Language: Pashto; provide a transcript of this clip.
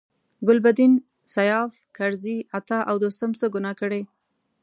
ګلبدین، سیاف، کرزي، عطا او دوستم څه ګناه کړې.